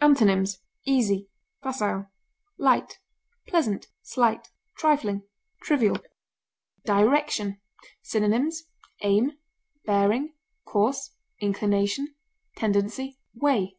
Antonyms: easy, facile, light, pleasant, slight, trifling, trivial. DIRECTION. Synonyms: aim, bearing, course, inclination, tendency, way.